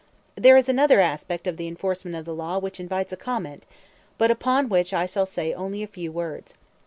There is another aspect of the enforcement of the law which invites comment, but upon which I shall say only a few words.